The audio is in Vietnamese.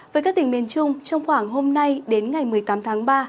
với các tỉnh miền trung trong khoảng hôm nay đến ngày một mươi tám tháng ba